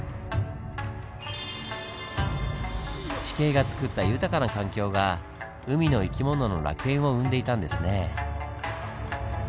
地形がつくった豊かな環境が海の生き物の楽園を生んでいたんですねぇ。